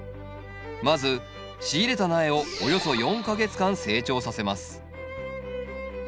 まず仕入れた苗をおよそ４か月間成長させます。